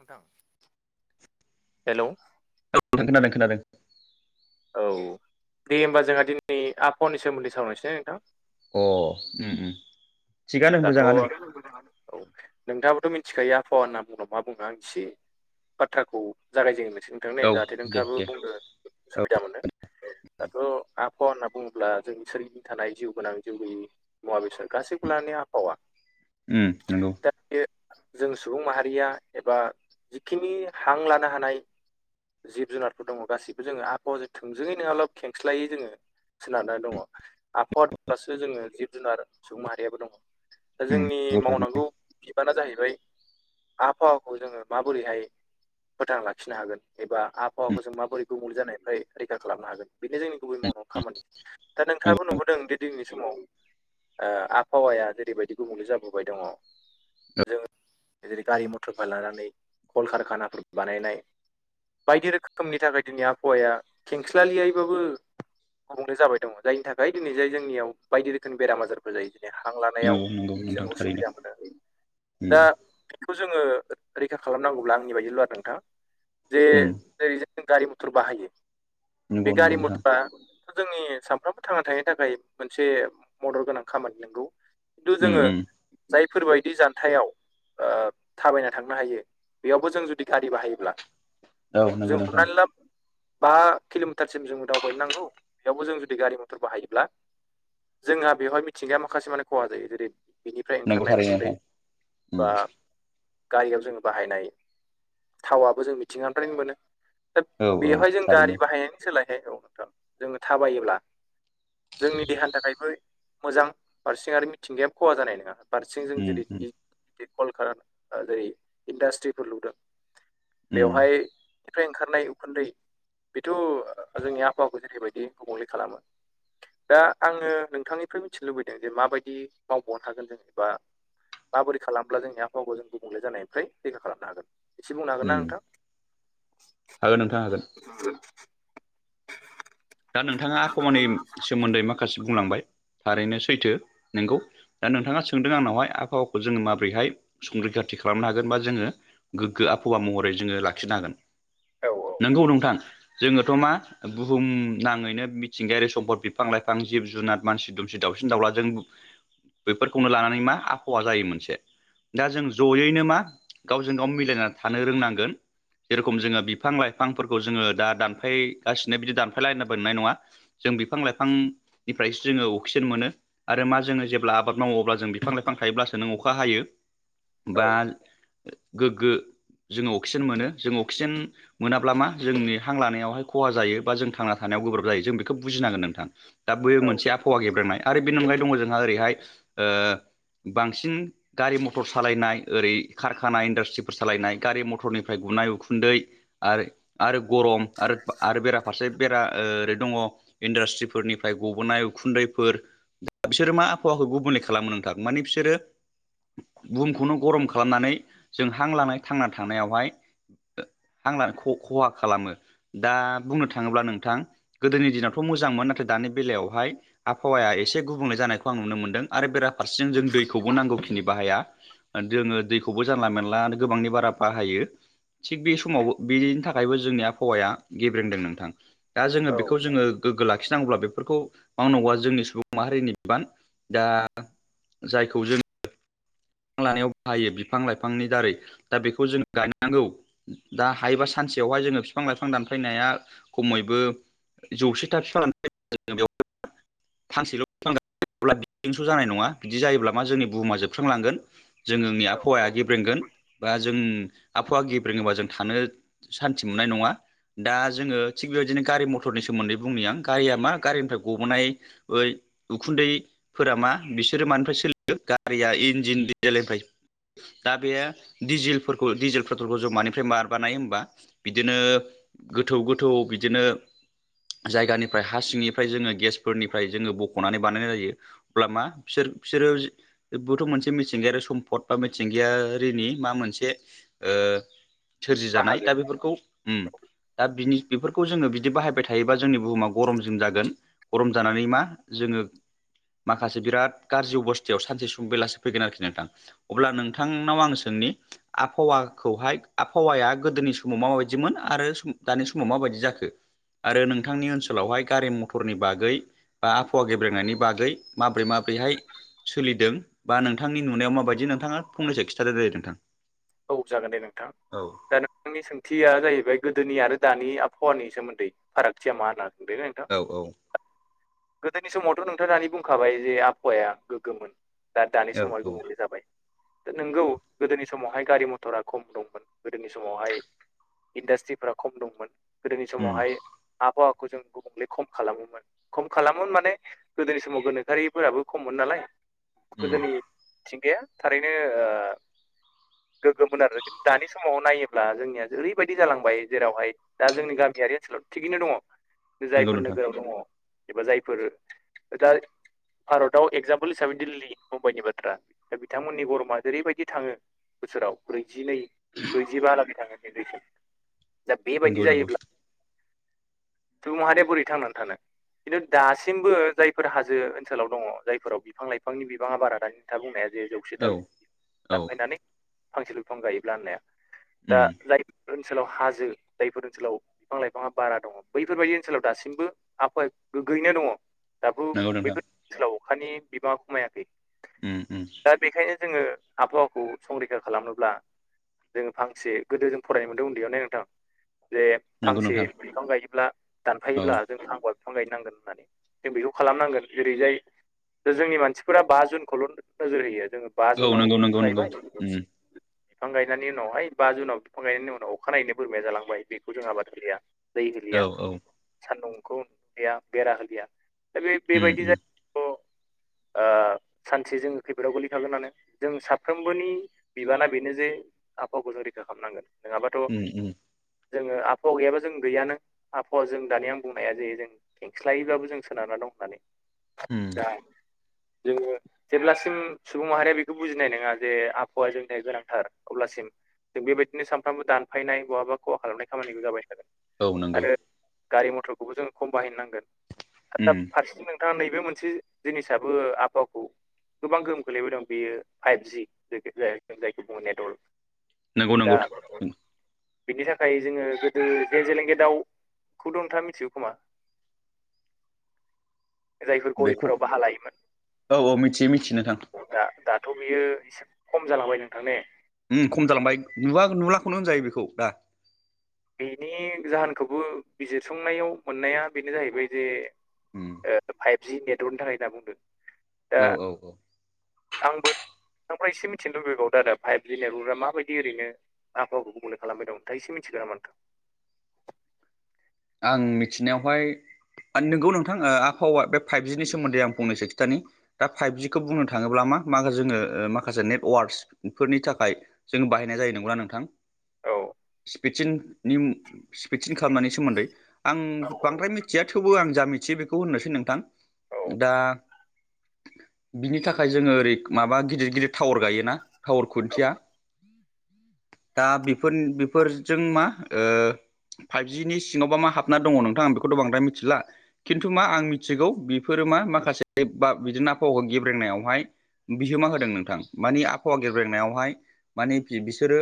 [inaudible] Hello खोनादों खोनादों औ दे होमबा जोंहा दिनै आबहावानि सोमोन्दै सावरायनोसै ना नोंथां। अ उम उम थिगानो दाथ' [unintelligible] औ मोजाङानो नोंथाङाबोथ' मिथिखायो आबहावा होनना बुङोबा मा बुङो आं इसे बाथ्राखौ जागायजेन ग्रोनोसै नोंथां ने औ जाहाथे दे नोंथाङाबो दे बुंनो औ सुबिदा मोनो। दाथ' आबहावा होनना बुङोब्ला जों सोरनि थानाय जिउ गोनां जिउ गैयि मुवा बेसर गासैखौ लनि आबहावा। उम नोंगौ जों सुबुं माहारिया एबा जिखिनि हां लानो हानाय जिब जुनारफोर दङ गासिबो जोङो आबहावाजों थोंजोङै नङाब्लाबो खेंस्लायै जोङो सोनारनानै दङ आफहादफ्रासो जोङो जिब जुनार सुबुं माहारियाबो दङ दा उम जोंनि मावनांगौ बिबाना जाहैबाय आबहावाखौ जोङो माबोरैहाय फोथां लाखिनो हागोन एबा आबहावाखौ जों माबोरै गुबुंले जानायनिफ्राय रैखा खालामनो हागोन बेनो जोंनि गुबै मावनांगौ खामानि। दा नोंथाङाबो नुबोदों जोंनि समाव आबहावाया जेरैबायदि गुबुंले जाबोबाय दङ। जों जेरै गारि मथरफोर लानानै कल कारखानाफोर बानायनाय बायदि रोखोमनि थाखाय दिनै आबहावाया खेंस्लालियैबाबो गुबुंले जाबाय दङ जायनि थाखाय दिनै जाय जोंनियाव बायदि रोखोमनि बेराम आजारफोर जायो जेरै हां लानायाव जों नंगौ थारैनो उसुबिदा मोनो उम दा बेखौ जोङो रैखा खालामनांगौब्ला आंनि बायदिब्ला आरो नोंथां जे उम जेरै जों गारि मथर बाहायो बे नंगौ नंगौ नोंथां थारैनो उम नंगौ गारि नोंथां मथरा थ' जोंनि सानफ्रोमबो थांना थानायनि थाखाय मोनसे मदद गोनां खामानि नंगौ। खिन्थु उम जोङो उम जायफोरबायदि जानथायाव ओ थाबायना थांनो हायो बेयावबो जों जुदि गारि बाहायोब्ला औ नंगौ जों नोंथां हमनानै ला बा किल'मिटारसिम जों दावबायनो नांगौ बेयावबो जों जुदि गारि मथर बाहायोब्ला जोंहा बेवहाय मिथिंगाया माखासे माने खहा जायो। बेनिफ्राय नंगौ ओंखारनाय थारैनो उखुन्दै नोंथां बा उम गारियाव जोङो बाहायनाय। थावाबो जों मिथिंगानिफ्रायनो मोनो। दा औ औ बेवहाय जों थारैनो गारि बाहायनायनि सोलायहाय औ नोंथां जोङो थाबायोब्ला जोंनि देहानि थाखायबो मोजां फारसेथिं आरो मिथिंगाया खहा जानाय नोङा। फारसेथिं जों उम जेरै उम कल [unintelligible] जेरै इन्डास्ट्रिफोर लुदों। उम बेवहाय निफ्राय ओंखारनाय उखुन्दै बेथ' जोंनि आबहावाखौ जेरैबायदि गुबुंले खालामो। दा आङो नोंथांनिफ्राय मिथिनो लुबैदों जे माबायदि मावबावनो हागोन जेनेबा माबोरै खालामब्ला जोंनि आबहावाखौ जों गुबुंले जानायनिफ्राय रैखा खालामनो हागोन एसे बुंनो हागोन उम ना नोंथां। हागोन नोंथां हागोन। [unintelligible] दा नोंथाङा आबहावानि सोमोन्दै माखासे बुंलांबाय थारैनो सैथो नोंगौ। दा नोंथाङा सोंदों आंनावहाय आबहावाखौ जोङो माबोरैहाय संरैखाथि खालामनो हागोन बा जोङो गोग्गो आबहावा महरै जोङो लाखिनो हागोन। औ औ। नंगौ नोंथां जोंङोथ' मा बुहुम नांङैनो मिथिंगायारि सम्फद बिफां लाइफां जिब जुनार मानसि दुमसि दाउसिन दाउलाजों बेफोरखौनो लानानै मा आबहावा जायो मोनसे। दा जों जयैनो मा गावजों गाव मिलायनानै थानो रोंनांगोन। जेर'खम जोङो बिफां लाइफांफोरखौ जोंङो दा दानफायगासिनो बिदि दानफायलायनो मोननाय नङा। जों बिफां लाइफांनिफ्रायसो जोंङो अक्सिजेन मोनो। आरो मा जोंङो जेब्ला आबाद मावो अब्ला जों बिफां लाइफां थायोब्लासो नों अखा हायो। औ बा गोग्गो जोङो अक्सिजेन मोनो जों अक्सिजेन मोनाब्ला मा जोंनि हां लानायावहाय खहा जायो बा जों थांना थानायाव गोब्राब जायो जों बेखौ बुजिनांगोन नोंथां दा बेयो औ मोनसे आफहावा गेब्रेंनाय आरो बेनि अनगायै दङ जोंहा ओरैहाय ओ बांसिन गारि मथर सालायनाय ओरै कारखाना इन्डासट्रिफोर सालायनाय गारि मथरनिफ्राय गुनाय उखुन्दै। आरो आरो गरम आरो आरो बेराफारसे बेरा ओरै दङ इन्डासट्रिफोरनिफ्राय गबोनाय उखुन्दैफोर। दा बिसोरो मा आबहावाखौ गुबुले खालामो नोंथां माने बिसोरो बुमुखौनो गरम खालामनानै जों हां लानाय थांना थानायावहाय हां ख-खहा खालामो दा बुंनो थाङोब्ला नोंथां गोदोनि दिनावथ' मोजांमोन नाथाय दानि बेलायावहाय आफहावाया एसे गुबुंले जानायखौ आं नुनो मोनदों। आरो बेराफारसेजों जों दैखौबो नांगौखिनि बाहाया जोङो दै खौबो जानला मेनला गोबांनि बारा बाहायो। थिग बे समावबो बेनि थाखायबो जोंनिया आबहावाया गेब्रेंदों नोंथां। दा जोङो बेखौ जोङो गोग्गो लाखिनांगौब्ला बेफोरखौ मावनांगौआ जोंनि सुबुं माहारिनि बिबान। दा जायखौ जों बिफां लानायाव बाहायो बिफां लाइफांनि दारै दा बेखौ जों गायनांगौ। दा हायोबा सानसेयावहाय जोङो बिफां लाइफां दानफायनाया खमैबो जौसे था बिफां [unintelligible] फांसेल'बिफां गायनांगौला बिदिदोथ' जानाय नङा बिदि जायोब्ला मा जोंनि बुहुमा जोबख्रांलांगोन। जोंओंनि औ आबहावाया औ गेब्रेंगोन। बा जों आबहावा गेब्रेङोबा जों थानो सान्थि मोननाय नङा। दा जोङो थिग बेबायदिनो गारि मथरनि सोमोन्दै बुंनि आं गारिया मा गारिनिफ्राय गबोनाय ऐ उखुन्दैफोरा मा बिसोरो मानिफ्राय सोलियो गारिया इन्जिन [unintelligible] दा बेयो डिजेलफोरखौ डिजेल पेट्रलखौ मानिफ्राय मारै बानायो होमबा बिदिनो गोथौ गोथौ बिदिनो जायगानिफ्राय हा सिंनिफ्राय जोङो गेसफोरनिफ्राय जोङो बख'नानै बानायनाय जायो। अब्ला मा बिसोर बिसोरो बेथ' मोनसे मेसि मिथिंगायारि सम्पद बा मिथिंगायारिनि मा मोनसे ओ सोरजि जानाय बाहागो दा बेफोरखौ उम, दा बिनि बेफोरखौ जोङो बिदि बाहायबाय थायोबा जोंनि बुहुमा गरमजों जागोन गरम जानानै मा जोंङो। माखासे बिराद गाज्रि अबस्थायाव सानसे सुं बेलासो फैगोन आरोखि नोंथां अब्ला नोंथांनाव आं सोंनि आबहावाखौहाय आबहावाया गोदोनि समाव माबायदिमोन आरो दानि समाव माबायदि जाखो आरो नोंथांनि ओनसोलावहाय गारि मथरनि बागै बा आबहावा गेब्रेनायनि बागै माब्रै माब्रैहाय सोलिदों बा नों नोंथांनि नुनायाव माबायदि नोंथा फंनैसो खिथादो दे नोंथां औ जागोन दे नोंथां औ दा नोंथांनि सोंथिया जाहैबाय गोदोनि आरो दानि आबहावानि सोमोन्दै फारागथिया मा होनागोन बेनो नोंथां औ औ गोदोनि समावथ' नोंथां आ दानि बुंखाबाय जे आबहावाया गोग्गोमोन दा दानि औ समावहाय औ गुबुंले जाबाय दा नोंगौ गोदोनि समाव बेहाय गारि मथरा खम दंमोन गोदोनि समावहाय इन्डास्ट्रिफ्रा खम दंमोन गोदोनि उम समावहाय आबहावाखौ जों गुबुंले खम खालामोमोन खम खालामोन माने गोदोनि समाव गोनोखोआरिफोराबो खममोन नालाय उम गोदोनि मिथिंगाया थारैनो गोग्गोम आरो खिन्थु दानि समाव नायोब्ला जोंनिया ओरैबायदि जालांबाय जेरावहाय दा जोंनि गामियारि ओनसोलाव थिगैनो दङ नंगौ जायफोर नोंथां नोगोराव दङ एबा जायफोर दा भारताव एगजामपोल हिसाबै दिल्ली मुम्बाइनि बाथ्रा दा बिथांमोननि गरमा जेरैबायदि थाङो बोसोराव ब्रैजिनै ब्रैजिबालानि थाङो बेैसन दा नंगौ बेबायदि नंगौ जायोब्ला सुबुं माहारिया बोरै थांनानै थानो खिन्थु दासिमबो जायफोर हाजो ओनसोलाव दङ जायफोराव बिफां लाइफांनि बिबाङा बारा दानि खोथ बुंनाया जे जौ औ [unintelligible] औ दानफायनानै फांसेल' बिफां गायोब्ला होननाया उम दा जायफोर ओनसोलाव हाजो जायफोर ओनसोलाव बिफां लाइफाङा बारा दङ बैफोरबायदि ओनसोलाव दासिमबो आबहावा गोग्गयैनो दङ दाबो नंगौ नोंथां बैफोर ओनसोलाव अखानि बिबाङा खमायाखै उम उम दा बेखायनो जोङो आबहावाखौ संरैखा खालामनोब्ला जोङो फांसे गोदो जों फरायनो मोनदों उन्दैयावनो नोंथां जे नंगौ फांसे नोंथां बिफां गायोब्ला औ दानफायोब्ला जों फांबा बिफां गायनांगोन होननानै जों बेखौ खालामनांगोन जे ओेरैजाय दा जोंनि मानसिफोरा बा जुनखौल' नोजोर होयो जोङो बा औ जुनाव नंगौ नंगौ नंगौ गायबाय उम बिफां गायनायनि उनावहाय बा जुनाव बिफां गायनायनि उनाव अखानायैनो बोरमाया जालांबाय बेखौ जोंहा बाथा गैया दै औ होलिया औ सान्दुंखौ नुया बेरा होलिया दा बे उम बेबायदि उम जायो सानसे जोङो खैफोदाव गोल्लैखागोनानो जों साफ्रोमबोनि बिबाना बेनो जे आफाखौ जों रैखा खालामनांगोन नङाबाथ' उम उम जोङो आहावा गैयाबा जों गैयानो आहावा जों दानिया आं बुंनाया जायो जों खेंस्लायैबाबो जों सोनारा दं होननानै उम आसा जोङो जेब्लासिम सुबुं माहारिया बेखौ बुजिनाय नङा जे हौवाया जोंनि गोनांथार अब्लासिम जों बेबायदिनो सानफ्रोमबो दानफायनाय बहाबा खहा खालामनाय खामानिखौ जाबाय थागोन औ नंगौ आरो गारि मथरखौबो जों खम बाहायनांगोन आरो दा उम फारसेथिं नैबे मोनसे जिनिसाबो आहावखौ गोबां गोहोम खोलैबायदोंं बेयो फाइभजि जायखौ बुङो नेटवर्क नंगौ दा नंगौ बिनि थाखाय जोङो गोदो जेजेलेंगे दाउखौथ' नोंथाङा मिथिगौ खोमा [inaudible] जायफोर बेखौ गय'फोराव बाहा लायोमोन औ औ मिथियो मिथियो नोंथां दा दाथ' बियो एसे खम जालांबाय नोंथां ने ओम खम जालांबाय नु नुलाखौनो होनजायो बेखौ दा बेनि जाहोनखौबो बिजिरसंनायाव मोननाया बेनो जाहैबाय जे उम फाइभजि नेटवर्कनि थाखाय होनना बुंदों दा औ औ औ आंबो आफ्राय इसे मिथिनो लुबैबावदों फाइभजि नेटवृकआ माबायदि ओरैनो आबहावाखौ गुबुंले खालामबाय दं इसे मिथिगो नामा नोंथां आं मिथिनायावहाय नोंगौ नोंथां आबहावा बे फाइभजिनि सोमोन्दै आं फंनैसो खिन्थानि। दा फाइभजिखौ बुंनो थाङोब्ला मा मा जोङो माखासे नेटवार्कसफोरनि थाखाय जों बाहायनाय जायो नंगौना नोंथां? औ। स्पिडसिन नि स्पिडसिन खालामनायनि सोमोन्दै आं बांद्राय मिथिया थेवबो आं जा मिथियो बेखौ होननोसै नोंथां। दा बिनि थाखाय जोङो ओरै माबा गिदिर गिदिर टावार गायोना टावार खुन्थिया? दा बेफोर बेफोरजों मा फाइभजिनि सिङाव मा हाबना दङ नोंथांं बेखौथ' बद्राय मिथिला। खिन्थु मा आं मिथिगौ बेफोरो मा माखासे बा बिदिनो आबहावाखौ गेब्रेंनायावहाय बिहोमा होदों नोंथां मानिे आबहावा गेब्रेंनायावहाय माने बि-बिसोरो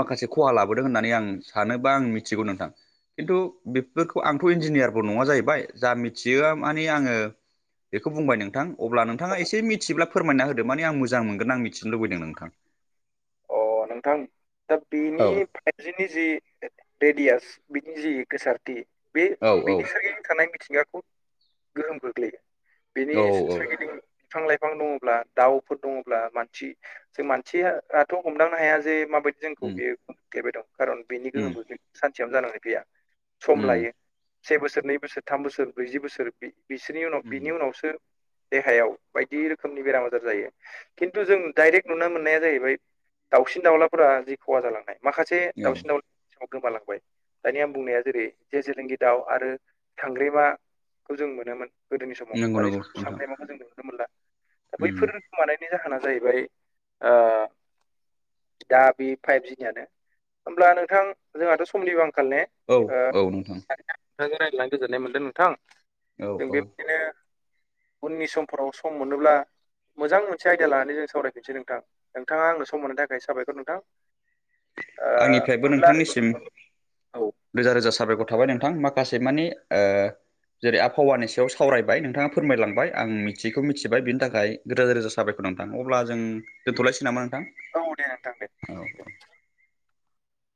माखासे खहा लाबोदों होननानै आं सानो बा आं मिथिगौ नोंथां। खिन्थु बेफोरखौ आंथ' इन्जिनियारबो नङा जाहैबाय जा मिथियो मानिे आङो बेखौ बुंबाय नोंथां। अब्ला नोंथाङा एसे मिथि औ नोंथां दा औ बेनि बा बिनि जि रेडियास बिनि जि गोसारथि बे औ बिनि औ सोरगिदिं थानाय मिथिंगाखौ गोहोम गोख्लैयो बेनि औ औ सोरगिदिं बिफां लाइफां दङब्ला दाउफोर दङब्ला मानसि जों मानसिया थ' हमदांनो हाया जे माबायदि जोंखौ उम बेयो देबाय दं खारन बेनि उम गोहोमबो गोग्लै सानसेयावनो जानानै फैया सम उम लायो से बोसोर नै बोसोर थाम बोसोर ब्रैजि बोसोर बि बिसोरनि उनाव उम बिनि उनावसो देहायाव बायदि रोखोमनि बेराम आजार जायो खिन्थु जों डाइरेक्ट नुनो मोननाया जाहैबाय दाउसिन दाउलाफोरा जि खहा जालांनाय माखासे औ दाउसिन दाउला गोमालांबाय दानि आं बुंनाया जेरै जेजेलिंगि दाउ आरो सांग्रेमा खौ जों मोनोमोन गोदोनि समाव नंगौ दानि नंगौ नोंथां सांग्रेमाखौ जों नुनो मोनला दा उम बैफोर गोमानायनि जाहोना जाहैबाय आ दा बे फाइभ जिनियानो होमब्ला नोंथां जोंहाथ' समनिबो आंखाल ने? औ ओ औ नोंथां। नोंथांजों रायज्लायनानै गोजोननाय मोनदों नोंथां औ जों औ बेबायदिनो उननि समफोराव सम मोनोब्ला मोजां मोनसे आयदया लानानै जों सावरायफिननोसै नोंथां नोंथाङा आंनो स सम मोननो थाखाय साबायखर नोंथां। ओ आंनिफ्रायबो बिदिब्ला नोंथांनिसिम औ रोजा रोजा साबायखर थाबाय नोंथां माखासे मानि ओ जेरै आबहावानि सायाव सावरायबाय नोंथाङा फोरमायलांबाय आं मिथियैखौ मिथिबाय बिनि थाखाय रोजा रोजा साबायख नोंथां अब्ला जों दोनथ'लायसै नामा नोंथां? औ दे नोंथां दे। औ औ।